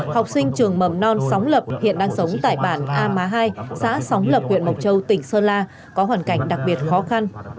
học sinh trường mầm non sóng lập hiện đang sống tại bản a má hai xã sóng lập huyện mộc châu tỉnh sơn la có hoàn cảnh đặc biệt khó khăn